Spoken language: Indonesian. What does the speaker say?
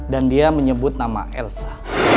dan dia menyebut nama elsa